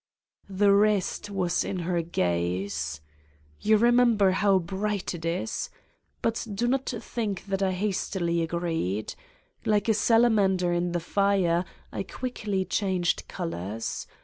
" The rest was in her gaze. You remember how bright it is? But do not think that I hastily agreed. Like a salamander in the fire, I quickly changed colors.